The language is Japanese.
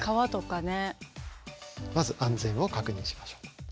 まず安全を確認しましょう。